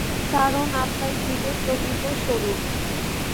কারণ আত্মাই জীবের প্রকৃত স্বরূপ।